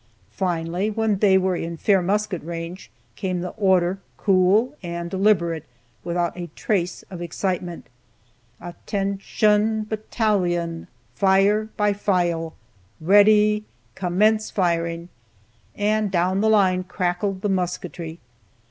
Finally, when they were in fair musket range, came the order, cool and deliberate, without a trace of excitement: "At ten shun, bat tal yun! Fire by file! Ready! Commence firing!" and down the line crackled the musketry.